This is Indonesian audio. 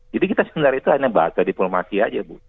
jadi kita sebenarnya itu hanya bahasa diplomasi saja